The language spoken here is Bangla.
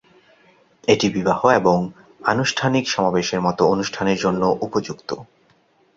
এটি বিবাহ এবং আনুষ্ঠানিক সমাবেশের মতো অনুষ্ঠানের জন্য উপযুক্ত।